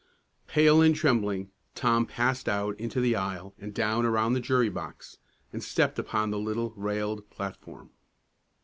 Pale and trembling, Tom passed out into the aisle and down around the jury box, and stepped upon the little railed platform.